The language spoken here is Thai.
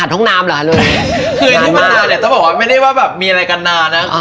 ต้องบอกว่าไม่ได้ว่ามีอะไรกันนานนะ